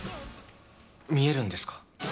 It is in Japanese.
見えるんですか？